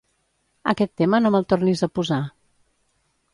Aquest tema no me'l tornis a posar.